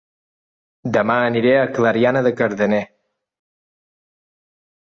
Dema aniré a Clariana de Cardener